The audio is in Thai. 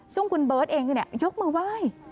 ซึ่งคุณเบิร์ตเองก็ยกมือไหว้